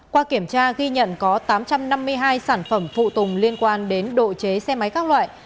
qua kiểm tra ghi nhận có tám trăm năm mươi hai sản phẩm phụ tùng liên quan đến độ chế xe máy các loại